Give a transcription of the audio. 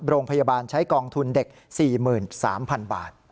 โรงพยาบาลใช้กองทุนเด็ก๔๓๐๐๐บาท